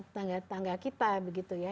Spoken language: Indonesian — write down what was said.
tetangga tangga kita begitu ya